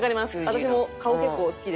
私も顔結構好きで。